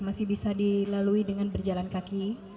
masih bisa dilalui dengan berjalan kaki